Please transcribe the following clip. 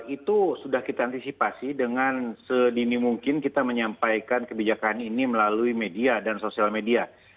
itu sudah kita antisipasi dengan sedini mungkin kita menyampaikan kebijakan ini melalui media dan sosial media